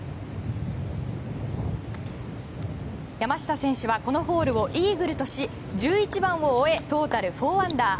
山下選手はこのホールをイーグルとし１１番を終えトータル４アンダー。